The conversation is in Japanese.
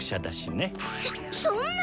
そっそんな！